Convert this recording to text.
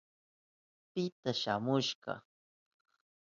¿Pita shamushka?